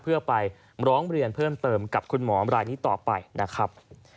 เพื่อไปร้องเรียนเพิ่มเติมกับคุณหมอมรายนี้ต่อไปนะครับ